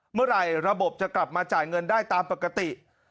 เมื่อไหร่ระบบจะกลับมาจ่ายเงินได้ตามปกติ